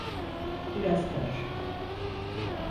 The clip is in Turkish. Biraz karışık.